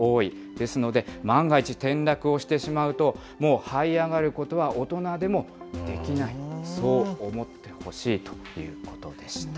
ですので、万が一、転落をしてしまうと、もうはい上がることは大人でもできない、そう思ってほしいということでした。